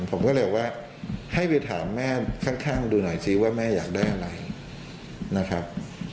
ผมก็เลยบอกว่าให้ไปถามแม่ข้างดูหน่อยซิว่าแม่อยากได้อะไรนะครับ